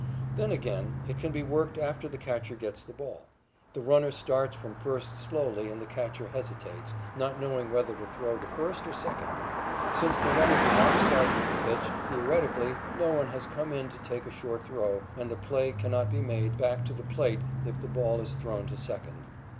Then, again, it can be worked after the catcher gets the ball. The runner starts from first slowly and the catcher hesitates, not knowing whether to throw to first or second. Since the runner did not start with the pitch, theoretically no one has come in to take a short throw, and the play cannot be made back to the plate if the ball is thrown to second.